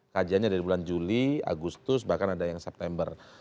kajiannya dari bulan juli agustus bahkan ada yang september